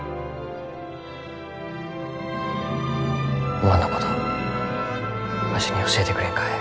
おまんのことわしに教えてくれんかえ？